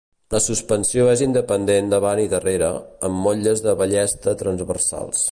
La suspensió és independent davant i darrere, amb molles de ballesta transversals.